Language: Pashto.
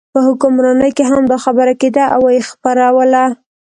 په حکمرانۍ کې هم دا خبره کېده او یې خپروله.